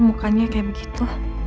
mukanya kayak begitu